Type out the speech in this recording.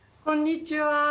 こんにちは。